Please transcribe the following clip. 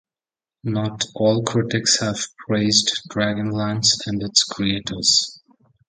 Not all critics have praised "Dragonlance" and its creators.